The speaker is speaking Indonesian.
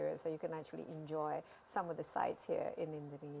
jadi anda bisa menikmati beberapa tempat di indonesia